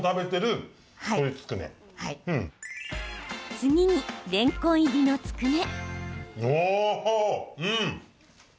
次に、れんこん入りのつくね。